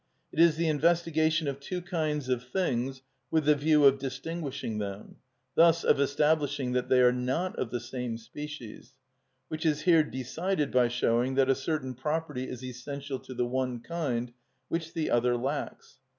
It is the investigation of two kinds of things with the view of distinguishing them, thus of establishing that they are not of the same species; which is here decided by showing that a certain property is essential to the one kind, which the other lacks.